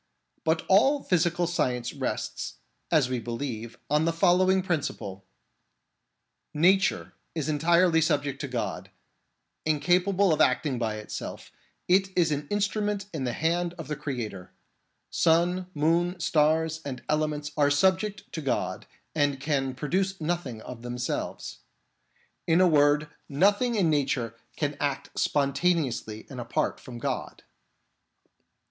But all physical science rests, as we believe, on the following principle : Nature is entirely subject to God ; incapable of acting by itself, it is an instrument in the hand of the Creator; sun, moon, stars, and elements are subject to God and can produce nothing of themselves. In a word, nothing in nature can act sponta neously and apart from God.